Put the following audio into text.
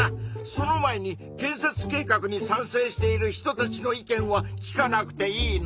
その前に建設計画に賛成している人たちの意見は聞かなくていいの？